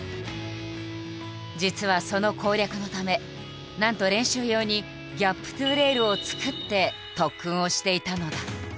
実はその攻略のためなんと練習用に「ギャップｔｏレール」を作って特訓をしていたのだ。